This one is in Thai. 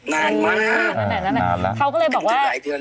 เขาก็เลยบอกว่า